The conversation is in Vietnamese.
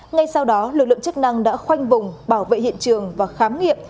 ngay sau đó lực lượng chức năng đã khoanh vùng bảo vệ hiện trường và khám nghiệm